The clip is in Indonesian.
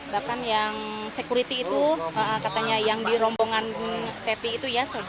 bahkan yang security itu katanya yang di rombongan tepi itu ya